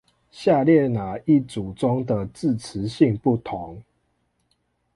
下列那一組中的字詞性不同？